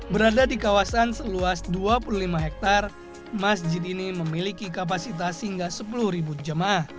berada di kawasan seluas dua puluh lima hektare masjid ini memiliki kapasitas hingga sepuluh ribu jemaah